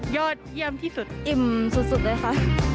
ยอดเยี่ยมที่สุดอิ่มสุดเลยค่ะ